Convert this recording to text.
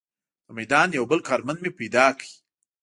د میدان یو بل کارمند مې پیدا کړ.